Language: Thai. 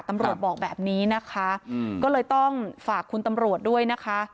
บอกแบบนี้นะคะก็เลยต้องฝากคุณตำรวจด้วยนะคะ